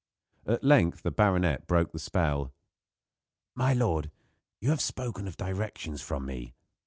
At length the baronet broke the spell. "My lord, you have spoken of directions from me.